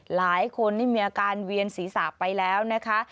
หลายคนนี่มีอาการเวียนศีรษะไปแล้วนะคะ